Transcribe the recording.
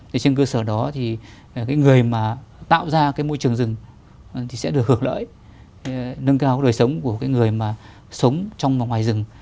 trên cơ sở đó thì người mà tạo ra môi trường rừng thì sẽ được hưởng lợi nâng cao đời sống của người mà sống trong và ngoài rừng